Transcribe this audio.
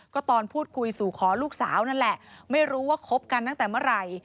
ก็ตอนพูดคุยสู่ขอลูกสาวนั่นแหละไม่รู้ว่าคบกันตั้งแต่เมื่อไหร่